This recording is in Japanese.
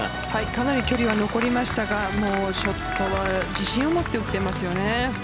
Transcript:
かなり距離は残りましたがショットも自信を持って打っていますよね。